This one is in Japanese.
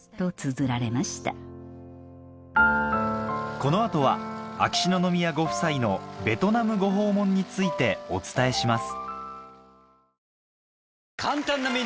このあとは秋篠宮ご夫妻のベトナムご訪問についてお伝えします